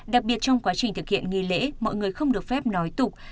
đặc biệt trong quá trình thực hiện nghi lễ mọi người không được phép nói tục